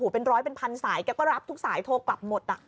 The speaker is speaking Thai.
เป็นร้อยเป็นพันสายแกก็รับทุกสายโทรกลับหมด